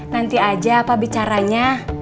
nanti aja apa bicaranya